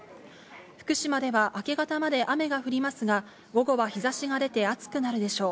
福島では明け方まで雨が降りますが、午後は日差しが出て暑くなるでしょう。